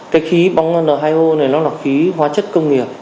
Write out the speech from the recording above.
cái khí bóng n hai o này nó là khí hóa chất công nghiệp